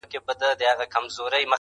څه لښکر لښکر را ګورې څه نیزه نیزه ږغېږې,